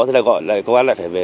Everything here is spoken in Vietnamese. thì lại gọi lại công an lại phải về